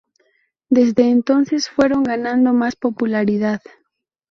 Desde entonces, fueron ganando más popularidad.